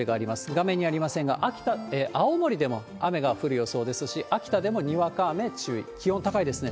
画面にありませんが、青森でも雨が降る予想ですし、秋田でもにわか雨注意、気温高いですね。